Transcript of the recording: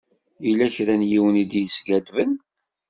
Yella kra n yiwen i d-yeskadben.